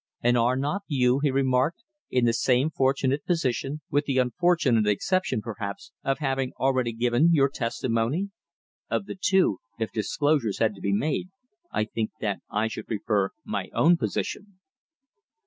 "And are not you," he remarked, "in the same fortunate position with the unfortunate exception, perhaps, of having already given your testimony? Of the two, if disclosures had to be made, I think that I should prefer my own position."